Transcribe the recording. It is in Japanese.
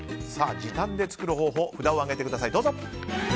時短で作る方法札を上げてください、どうぞ。